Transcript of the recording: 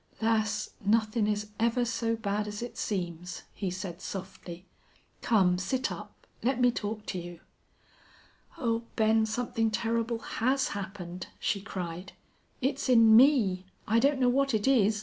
"Lass, nothin' is ever so bad as it seems," he said, softly. "Come, sit up. Let me talk to you." "Oh, Ben, something terrible has happened," she cried. "It's in me! I don't know what it is.